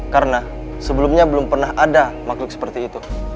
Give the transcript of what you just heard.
karena sebelumnya belum pernah ada makhluk seperti itu